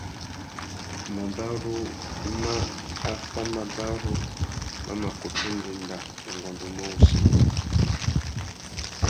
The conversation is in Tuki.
Mabarú mà affámabarú má mà kutu ndénda ungôndômô wussi.